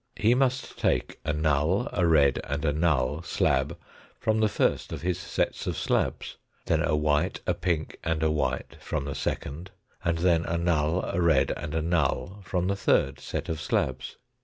He must take a null, a red, and a null slab from the first of his sets of slabs, then a white, a pink, and a white from the second, and then a null, a red, and a null from the thiid set of slabs.